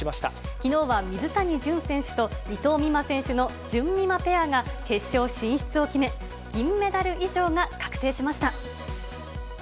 きのうは水谷隼選手と伊藤美誠選手のじゅんみまペアが決勝進出を決め、銀メダル以上が確定しました。